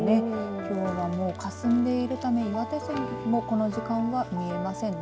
きょうは、かすんでいるため岩手山もこの時間は見えませんね。